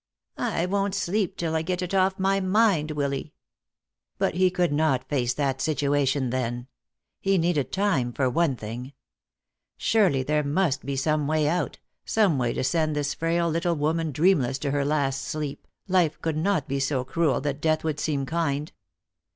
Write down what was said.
"I won't sleep till I get it off my mind, Willy." But he could not face that situation then. He needed time, for one thing. Surely there must be some way out, some way to send this frail little woman dreamless to her last sleep, life could not be so cruel that death would seem kind.